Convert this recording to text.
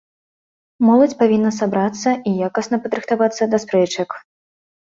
Моладзь павінна сабрацца і якасна падрыхтавацца да спрэчак.